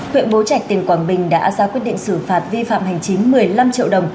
huyện bố trạch tỉnh quảng bình đã ra quyết định xử phạt vi phạm hành chính một mươi năm triệu đồng